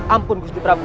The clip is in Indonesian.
ampun gus jutabu